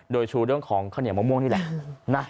โดยชูเรื่องของข้าวเหนียวมะม่วงนี่แหละนะ